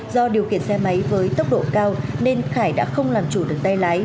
do điều khiển xe máy với tốc độ cao nên khải đã không làm chủ được tay lái